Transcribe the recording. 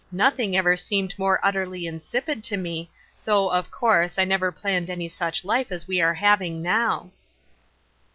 Nothing ever seemed more utterly insipid to me, though, of course, I never planned any such Hfe as we are having now."